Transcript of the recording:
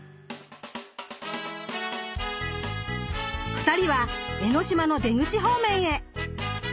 二人は江の島の出口方面へ。